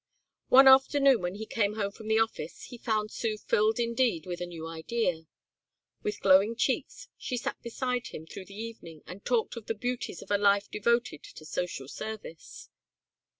One afternoon when he came home from the office he found Sue filled indeed with a new idea. With glowing cheeks she sat beside him through the evening and talked of the beauties of a life devoted to social service.